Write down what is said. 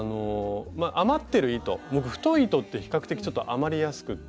余ってる糸太い糸って比較的ちょっと余りやすくって。